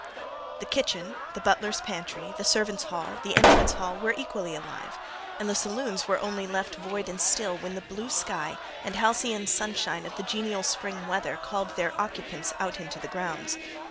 The kitchen, the butler's pantry, the servants' hall, the entrance hall, were equally alive; and the saloons were only left void and still when the blue sky and halcyon sunshine of the genial spring weather called their occupants out into the grounds.